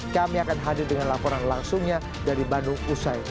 kami akan hadir dengan laporan langsungnya dari bandung usai